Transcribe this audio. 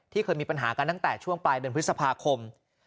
เคยมีปัญหากันตั้งแต่ช่วงปลายเดือนพฤษภาคม